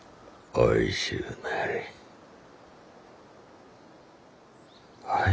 おいしゅうなれ。